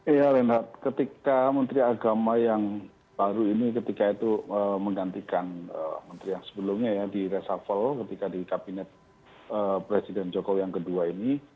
iya reinhardt ketika menteri agama yang baru ini ketika itu menggantikan menteri yang sebelumnya ya di reshuffle ketika di kabinet presiden jokowi yang kedua ini